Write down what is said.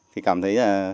thì cảm thấy là